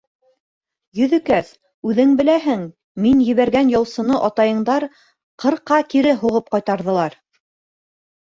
Йөҙөкәс, үҙең беләһең, мин ебәргән яусыны атайыңдар ҡырҡа кире һуғып ҡайтарҙылар.